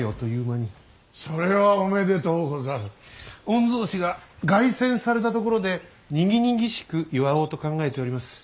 御曹司が凱旋されたところでにぎにぎしく祝おうと考えております。